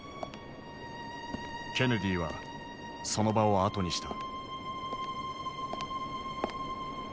ケネディはその場を後にした。